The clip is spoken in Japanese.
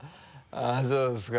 あっそうですか。